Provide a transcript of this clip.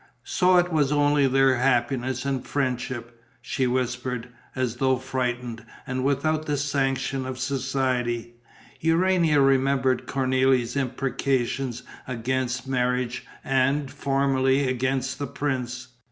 So it was only their happiness and friendship, she whispered, as though frightened, and without the sanction of society? Urania remembered Cornélie's imprecations against marriage and, formerly, against the prince.